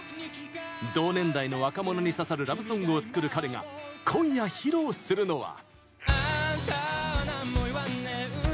同年代の若者に刺さるラブソングを作る彼が今夜、披露するのは。